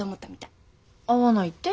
合わないって？